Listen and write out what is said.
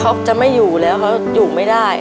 เขาจะไม่อยู่แล้วเขาอยู่ไม่ได้